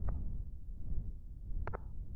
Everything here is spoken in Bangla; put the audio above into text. দ্বিতীয় বিশ্বযুদ্ধ কবে শুরু হয়?